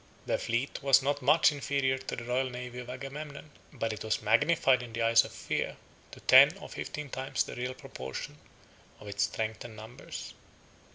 Their fleet was not much inferior to the royal navy of Agamemnon, but it was magnified in the eyes of fear to ten or fifteen times the real proportion of its strength and numbers.